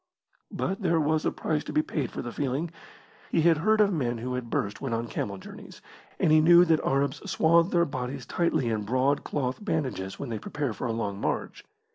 But there was a price to be paid for the feeling. He had heard of men who had burst when on camel journeys, and he knew that the Arabs swathe their bodies tightly in broad cloth bandages when they prepare for a long march.